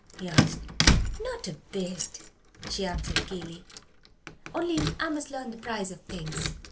he asked. "Not a bit," she answered gaily. "Only I must learn the prices of things.